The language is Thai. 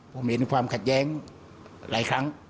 ผมเห็นความขัดแย้งหลายครั้ง